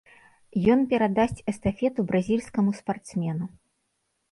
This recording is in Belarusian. Ён перадасць эстафету бразільскаму спартсмену.